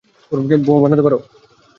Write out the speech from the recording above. বোমা বানাতে পারো?